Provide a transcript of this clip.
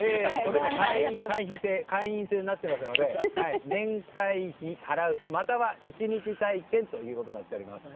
会員制になっていますので年会費を払うかまたは１日体験となっています。